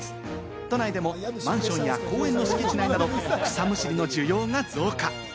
都内でもマンションや公園の敷地内など、草むしりの需要が増加。